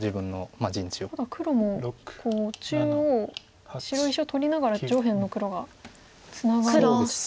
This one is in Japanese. ただ黒も中央白石を取りながら上辺の黒がツナがりましたか。